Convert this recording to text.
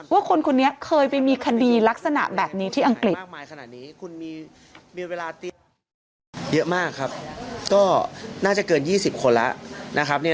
คนคนนี้เคยไปมีคดีลักษณะแบบนี้ที่อังกฤษ